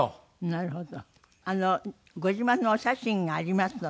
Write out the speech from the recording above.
なるほど。